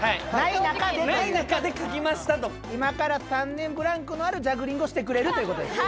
ない中でというない中で書きましたと今から３年ブランクのあるジャグリングをしてくれるということですね